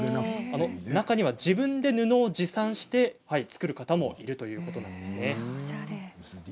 中には自分で布を持参して作る方もいるということです。